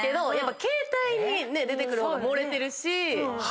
携帯に出てくる方が盛れてるし。